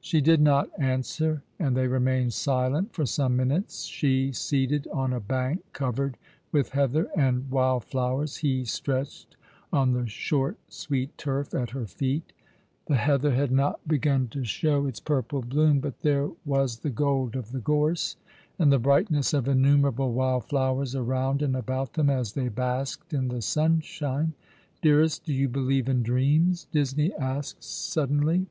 She did not answer, and they remained silent for some minutes, she seated on a bank covered with heather and wild flowers ; he stretched on the short, sweet turf at her feet. Tb.e heather had not begun to show its purple bloom, ^'A Love siill dtirning Upiuard.^' 09 but there was the gold of the gorse, and the brightness of innumerable wild flowers around and about them as they basked in the sunshine. "Dearest, do you believe in dreams?" Disney asked suddenly.